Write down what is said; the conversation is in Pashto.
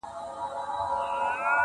شا او مخ ته یې پر هر وګړي بار کړل -